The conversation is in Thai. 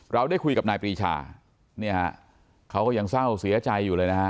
เราได้คุยกับนายปรีชาเนี่ยฮะเขาก็ยังเศร้าเสียใจอยู่เลยนะฮะ